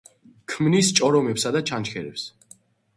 ქმნის ჭორომებსა და ჩანჩქერებს.